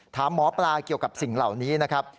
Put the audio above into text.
ถามหมอปลาเกี่ยวกับสิ่งเหล่านี้นะครับ